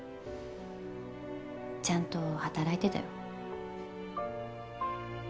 ちゃんと働いてたよ。